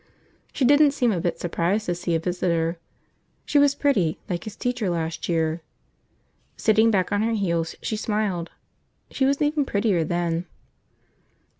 She didn't seem a bit surprised to see a visitor. She was pretty, like his teacher last year. Sitting back on her heels, she smiled. She was even prettier then.